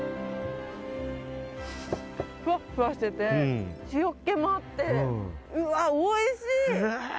フワッフワしてて塩気もあってうわおいしい！